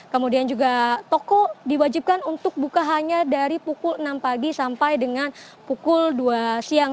kemudian juga toko diwajibkan untuk buka hanya dari pukul enam pagi sampai dengan pukul dua siang